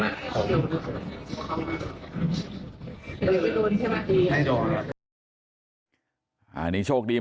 มันต้องการมาหาเรื่องมันจะมาแทงนะ